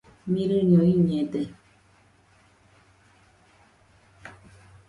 Mirɨño ɨnɨde.